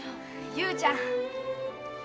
雄ちゃん。